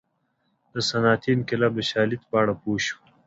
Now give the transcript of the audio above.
د صنعتي انقلاب د شالید په اړه پوه شو.